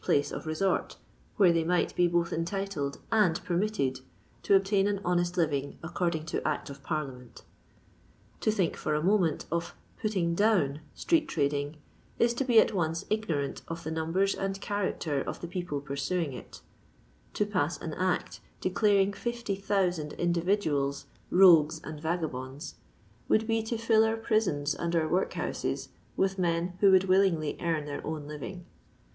ice of resort, where they might be both enUtled and permitted to obtain an honest living aeeording to Act of Parliament. To think for a moment of "putting down" street trading is to be at once ignorant of the nxmibers and character of the people pursuing it To pass an Act declaring 50,000 individuals rogues and vagabonds, would be to fill our prisons or our workhouses with men who would willingly earn their own living.